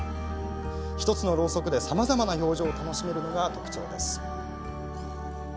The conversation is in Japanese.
１つのろうそくでさまざまな表情を楽しめるのが特徴です。